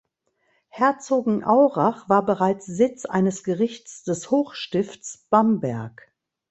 Herzogenaurach war bereits Sitz eines Gerichts des Hochstifts Bamberg.